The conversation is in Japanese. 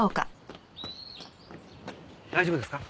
大丈夫ですか？